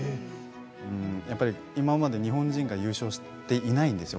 やっぱり今まで日本人が優勝していないんですよ